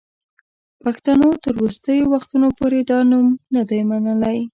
پښتنو تر وروستیو وختونو پوري دا نوم نه دی منلی.